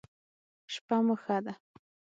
شپه مو ښه ده